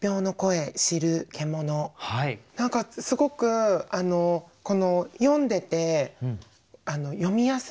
何かすごく読んでて読みやすい。